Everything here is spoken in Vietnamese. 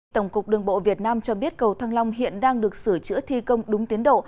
tổng cục đường bộ việt nam cho biết cầu thăng long hiện đang được sửa chữa thi công đúng tiến độ